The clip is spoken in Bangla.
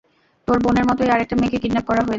তোর বোনের মতোই আরেকটা মেয়েকে কিডন্যাপ করা হয়েছে।